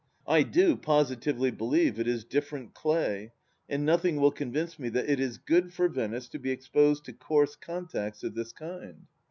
I do positively believe it is different clay, and nothing will convince me that it is good for Venice to be exposed to coarse contacts of this kind.